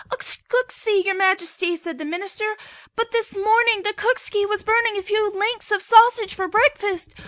"Oxcooski, Your Majesty," said the Minister, "but this morning the cookski was burning a few links of sausage for breakfast.